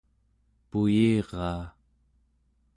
puyiraa